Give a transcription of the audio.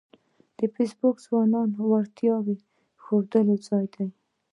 فېسبوک د ځوانانو د وړتیاوو ښودلو ځای دی